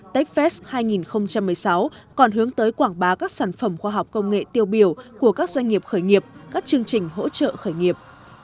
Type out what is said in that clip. techfest hai nghìn một mươi sáu còn hướng tới quảng bá các sản phẩm khoa học công nghệ tiêu biểu của các doanh nghiệp khởi nghiệp các chương trình hỗ trợ khởi nghiệp